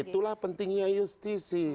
nah itulah pentingnya justisi